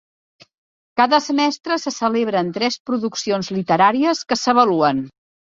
Cada semestre, se celebren tres produccions literàries que s'avaluen.